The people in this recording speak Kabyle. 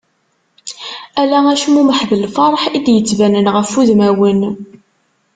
Ala acmumeḥ d lferḥ i d-yettbanen ɣef wudmaen.